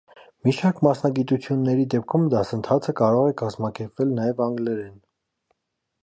Մի շարք մասնագիտությունների դեպքում դասընթացը կարող է կազմակերպվել նաև անգլերեն։